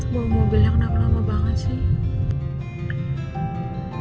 mau mobil yang lama lama banget sih